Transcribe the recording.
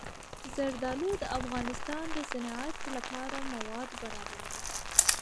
زردالو د افغانستان د صنعت لپاره مواد برابروي.